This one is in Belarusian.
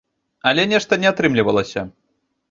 Але нешта не атрымлівалася.